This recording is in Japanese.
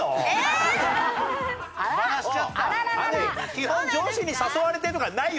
基本上司に誘われてとかないよ。